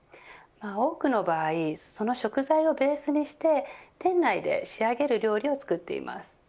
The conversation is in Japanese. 多くの場合その食材をベースにして店内で仕上げる料理を作っています。